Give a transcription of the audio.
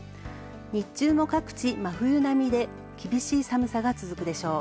日中も各地、真冬並みで厳しい寒さが続くでしょう。